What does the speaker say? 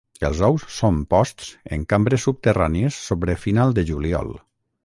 Els ous són posts en cambres subterrànies sobre final de juliol.